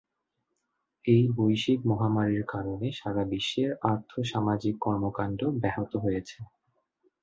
এই বৈশ্বিক মহামারীর কারণে সারা বিশ্বের আর্থ-সামাজিক কর্মকাণ্ড ব্যাহত হয়েছে।